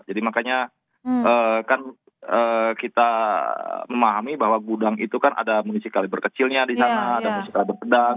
jadi makanya kan kita memahami bahwa gudang itu kan ada munisi kaliber kecilnya di sana ada munisi kaliber pedang